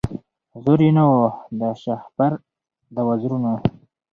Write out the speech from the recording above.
زور یې نه وو د شهپر د وزرونو